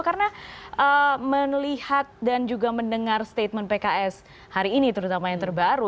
karena melihat dan juga mendengar statement pks hari ini terutama yang terbaru